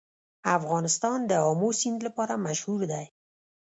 افغانستان د آمو سیند لپاره مشهور دی.